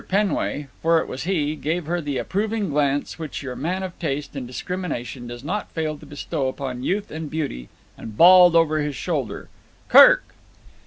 Penway, for it was he, gave her the approving glance which your man of taste and discrimination does not fail to bestow upon youth and beauty and bawled over his shoulder— "Kirk!"